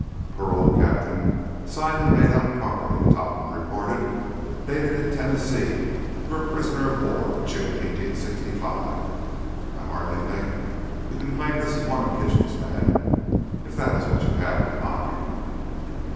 "Parole, Captain, signed and made out properly," Topham reported. "Dated in Tennessee for a prisoner of war—June, 1865. I hardly think you can claim this is one of Kitchell's men, if that is what you have in mind."